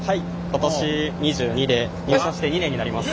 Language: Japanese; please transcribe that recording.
今年２２で入社して２年になります。